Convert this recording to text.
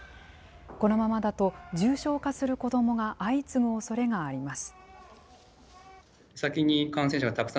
このままだと重症化する子どもが相次ぐおそれがあります。